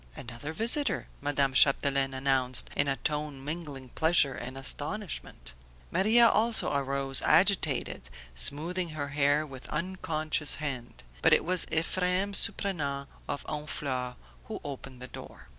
"Another visitor!" Madame Chapdelaine announced in a tone mingling pleasure and astonishment. Maria also arose, agitated, smoothing her hair with unconscious hand; but it was Ephrem Surprenant of Honfleur who opened the door.